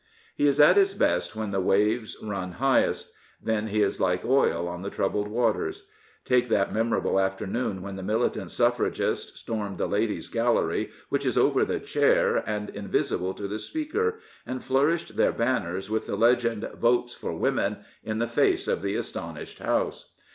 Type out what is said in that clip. He is at his best when the waves run highest. \Then he is like oil on the troubled waters.f Take that memorable afternoon when the militant Suffragists stormed the Ladies' Gallery, which is over the Chair and invisible to the Speaker, and flourished their banners, with the legend " Votes for Women," in the face of the astonished House.